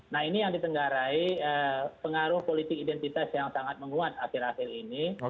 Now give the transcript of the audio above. nah ini yang ditenggarai pengaruh politik identitas yang sangat menguat akhir akhir ini